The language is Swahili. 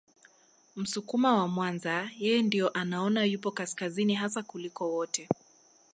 Msukuma wa Mwanza yeye ndio anaona yupo kaskazini hasa kuliko wote